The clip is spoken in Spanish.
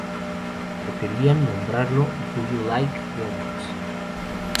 Pero querían nombrarlo "Do You Like Worms".